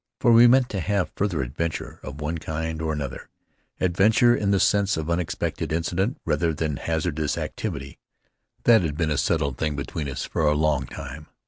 For we meant to have further adventure of one kind or another — adventure in the sense of unexpected incident rather than of hazardous activity. That had been a settled thing between us for a long time.